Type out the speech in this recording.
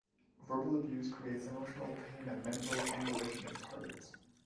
Verbal abuse creates emotional pain and mental anguish in its target.